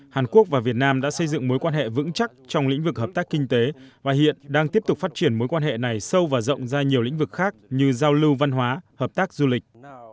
hàn quốc và việt nam đã xây dựng mối quan hệ vững chắc trong lĩnh vực hợp tác kinh tế và hiện đang tiếp tục phát triển mối quan hệ này sâu và rộng ra nhiều lĩnh vực khác như giao lưu văn hóa hợp tác du lịch